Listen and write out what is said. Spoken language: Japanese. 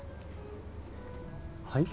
はい？